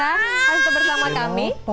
yang masih bersama kami